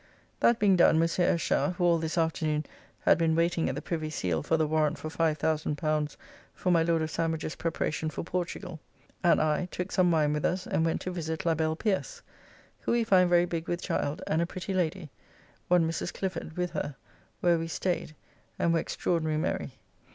That being done Mons. Eschar (who all this afternoon had been waiting at the Privy Seal for the Warrant for L5,000 for my Lord of Sandwich's preparation for Portugal) and I took some wine with us and went to visit la belle Pierce, who we find very big with child, and a pretty lady, one Mrs. Clifford, with her, where we staid and were extraordinary merry.